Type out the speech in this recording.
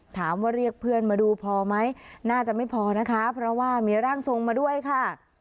ถามว่าเรียกเพื่อนมาดูพอไหมน่าจะไม่พอนะคะเพราะว่ามีร่างทรงมาด้วยค่ะ